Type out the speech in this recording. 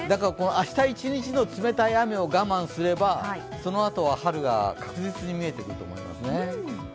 明日一日の冷たい雨を我慢すればそのあとは春が確実に見えてきますね。